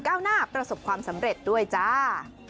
ก้าวหน้าประสบความสำเร็จด้วยจ้า